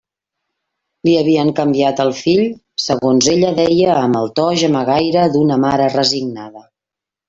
Li havien canviat el fill, segons ella deia amb el to gemegaire d'una mare resignada.